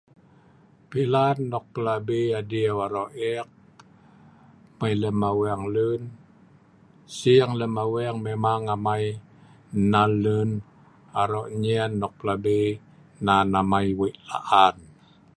Pilan nok' pelabi adiew nok' aro'eek mai lem aweng lun sing amai lem aweng memang amai nal lun aro'nyen nok' pelabi nan amai wei laan'.